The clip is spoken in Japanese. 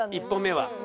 １本目は。